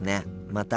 また。